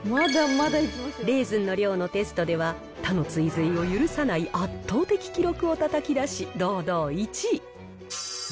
レーズンの量のテストでは、他の追随を許さない圧倒的記録をたたき出し、堂々１位。